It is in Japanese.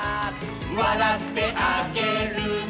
「わらってあげるね」